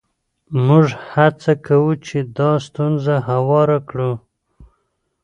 موږ هڅه کوو چې دا ستونزه هواره کړو.